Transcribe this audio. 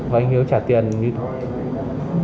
và anh hiếu trả tiền như thế nào